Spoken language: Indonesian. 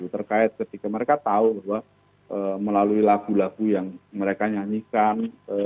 terkait ketika mereka tahu bahwa melalui lagu lagu yang mereka nyanyikan